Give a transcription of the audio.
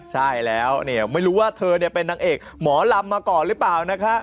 ใช่แล้วไม่รู้ว่าเธอเป็นนางเอกหมอลำมาก่อนหรือเปล่านะคะ